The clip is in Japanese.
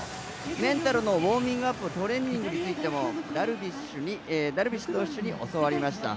メンタルのウォーミングアップトレーニングについてもダルビッシュ投手に教わりました。